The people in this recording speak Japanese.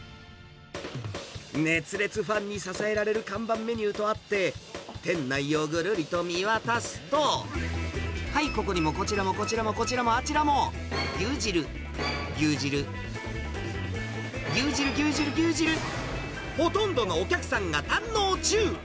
熱烈ファンに支えられる看板メニューとあって、店内をぐるりと見渡すと、はい、ここにも、こちらも、こちらも、こちらも、あちらも、牛汁、牛汁、牛汁、牛汁、牛汁。ほとんどのお客さんが堪能中。